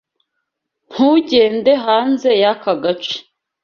Ntugende hanze yaka gace.